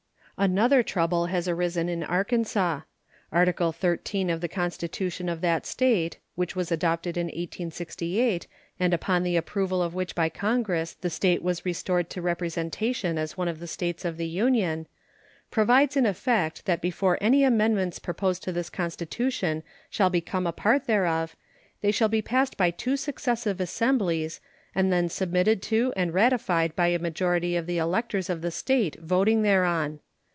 Another trouble has arisen in Arkansas. Article 13 of the constitution of that State (which was adopted in 1868, and upon the approval of which by Congress the State was restored to representation as one of the States of the Union) provides in effect that before any amendments proposed to this constitution shall become a part thereof they shall be passed by two successive assemblies and then submitted to and ratified by a majority of the electors of the State voting thereon.